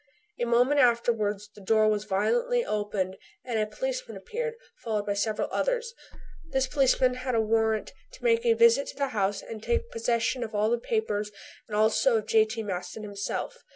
A moment afterwards the door was violently opened and a policeman appeared, followed by several others. This policeman had a warrant to make a visit to the house and to take possession of all papers and also of J.T. Maston himself.